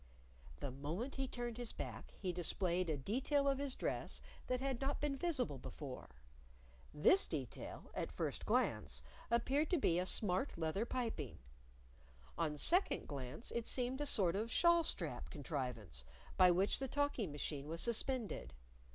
The moment he turned his back he displayed a detail of his dress that had not been visible before. This detail, at first glance, appeared to be a smart leather piping. On second glance it seemed a sort of shawl strap contrivance by which the talking machine was suspended.